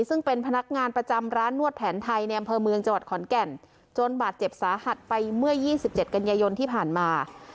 ซึ่งเป็นพนักงานประจำร้านนวดแผนไทยในอำเภอเมืองจังหวัดขอนแก่นจนบาดเจ็บสาหัสไปเมื่อ๒๗กันยายนที่ผ่านมา